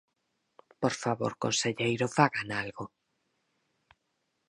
Por favor, conselleiro, ¡fagan algo!